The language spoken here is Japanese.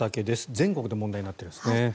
全国で問題になっていますね。